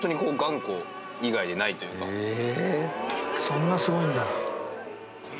そんなすごいんだ。